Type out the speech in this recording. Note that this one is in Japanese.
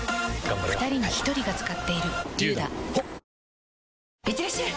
本麒麟いってらっしゃい！